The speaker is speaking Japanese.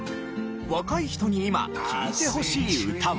若い人に今聴いてほしい歌は？